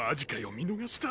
見逃した。